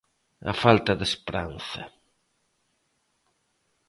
A falta de esperanza.